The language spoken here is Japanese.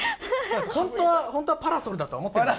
本当は本当はパラソルだとは思ってます。